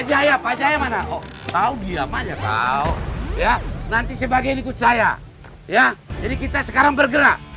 jaya pak jaya mana oh tahu diam aja tahu ya nanti sebagai ikut saya ya jadi kita sekarang bergerak